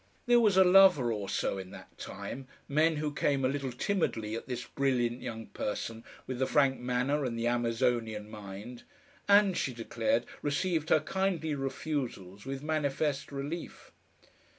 There was a lover or so in that time, men who came a little timidly at this brilliant young person with the frank manner and the Amazonian mind, and, she declared, received her kindly refusals with manifest relief.